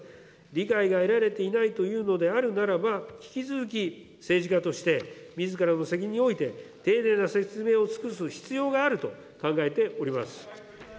理解が得られていないというのであるならば、引き続き政治家としてみずからの責任において、丁寧な説明を尽くす必要があると考えております。